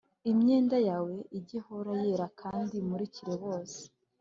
Imyenda yawe ijye ihora yera kandi umurikira bose